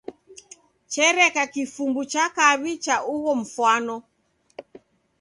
Chereka kifumbu cha kaw'i cha ugho mfwano.